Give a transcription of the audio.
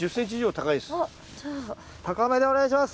高めでお願いします！